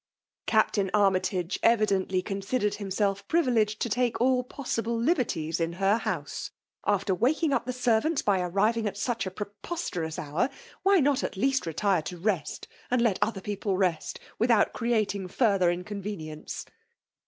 Captain Armytage evi dently considered himself privileged to take aU possible liberties in her house. After waking up the servants by arriving at such a preposterous hour, why not at least retire to rest, and let other people rest, without creating further inconvenience